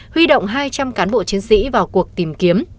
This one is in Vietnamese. huy động hai trăm linh cán bộ chiến sĩ vào cuộc tìm kiếm